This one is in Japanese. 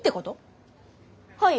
はい。